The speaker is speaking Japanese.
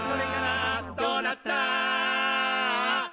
「どうなった？」